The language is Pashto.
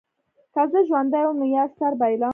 که زه ژوندی وم نو یا سر بایلم.